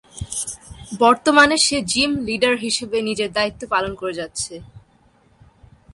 বর্তমানে সে gym leader হিসেবে নিজের দায়িত্বপালন করে যাচ্ছে।